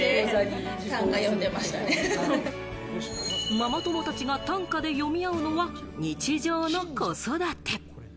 ママ友たちが短歌で詠み合うのは日常の子育て。